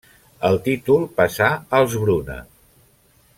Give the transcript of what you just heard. El títol passà als Bruna.